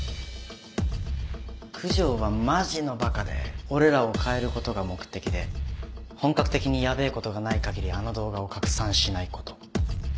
九条はマジのバカで俺らを変えることが目的で本格的にヤベェことがない限りあの動画を拡散しないこと。